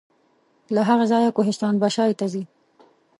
له هغه ځایه کوهستان بشای ته ځي.